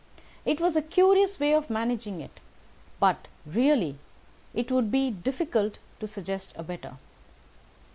It was a curious way of managing it, but, really, it would be difficult to suggest a better.